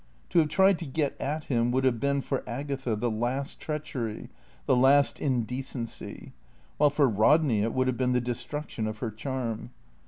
To have tried to get at him would have been, for Agatha, the last treachery, the last indecency; while for Rodney it would have been the destruction of her charm.